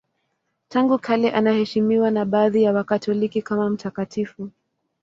Tangu kale anaheshimiwa na baadhi ya Wakatoliki kama mtakatifu.